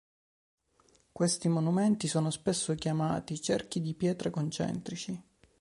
Questi monumenti sono spesso chiamati "cerchi di pietre concentrici".